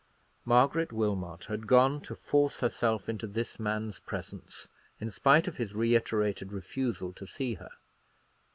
Margaret Wilmot had gone to force herself into this man's presence, in spite of his reiterated refusal to see her.